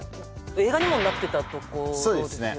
映画にもなってたところですよね